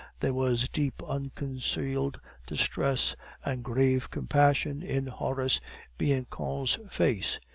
There was deep, unconcealed distress, and grave compassion in Horace Bianchon's face.